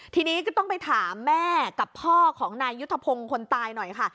ทีนี้ก็ต้องไปถามแม่กับพ่อของนายยุทธพงศ์คนตายหน่อยค่ะ